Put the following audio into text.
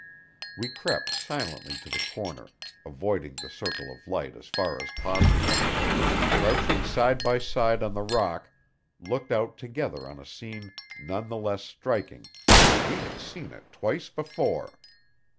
We crept silently to the corner, avoiding the circle of light as far as possible, and, crouching side by side on the rock, looked out together on a scene none the less striking because we had seen it twice before.